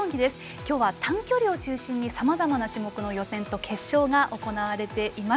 今日は短距離を中心にさまざまな試合の予選と決勝が行われています。